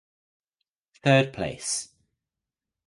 Third place